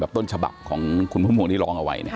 แบบต้นฉบับของคุณภูมิภวงนี้ล้องเอาไว้เนี่ย